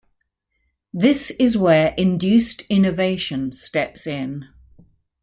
This is where induced innovation steps in.